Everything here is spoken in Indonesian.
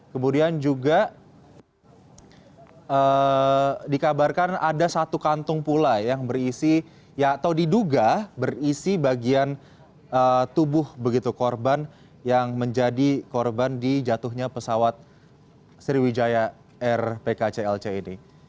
kemudian juga dikabarkan ada satu kantung pula yang berisi atau diduga berisi bagian tubuh begitu korban yang menjadi korban di jatuhnya pesawat sriwijaya air pkclc ini